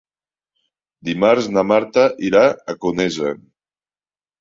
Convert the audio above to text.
Dimarts na Marta irà a Conesa.